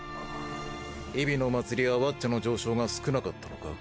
陽比野まつりはワッチャの上昇が少なかったのか？